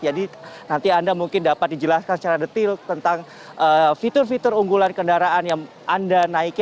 jadi nanti anda mungkin dapat dijelaskan secara detail tentang fitur fitur unggulan kendaraan yang anda naiki